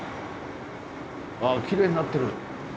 あきれいになってる。